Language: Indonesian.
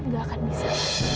gak akan bisa